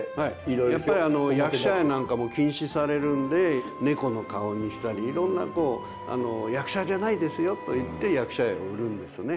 やっぱり役者絵なんかも禁止されるんでネコの顔にしたりいろんなこう役者じゃないですよと言って役者絵を売るんですよね。